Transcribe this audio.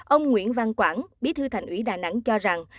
ông nguyễn văn quảng bí thư thành ủy đà nẵng cho rằng